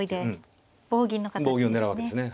棒銀をねらうわけですね。